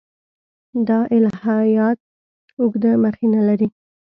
دا الهیات اوږده مخینه لري.